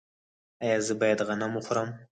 ایا زه باید غنم وخورم؟